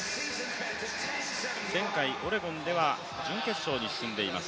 前回オレゴンでは準決勝に進んでいます。